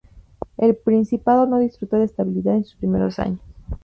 El principado no disfrutó de estabilidad en sus primeros años.